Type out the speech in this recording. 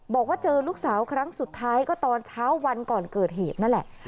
บอกว่าเจอลูกสาวครั้งสุดท้ายก็ตอนเช้าวันก่อนเกิดเหตุนั่นแหละ